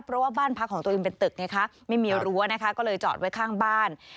เพราะว่าบ้านพักของตัวเองเป็นตึกไงคะไม่มีรั้วนะคะก็เลยจอดไว้ข้างบ้าน